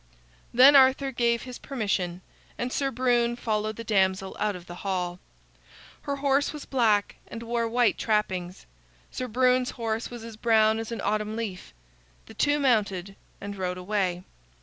Then Arthur gave his permission, and Sir Brune followed the damsel out of the hall. Her horse was black, and wore white trappings. Sir Brune's horse was as brown as an autumn leaf. The two mounted and rode away.